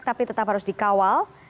tapi tetap harus dikawal